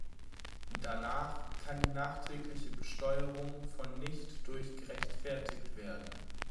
Danach kann die nachträgliche Besteuerung von nicht durch gerechtfertigt werden.